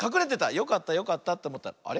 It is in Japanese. よかったよかったっておもったらあれ？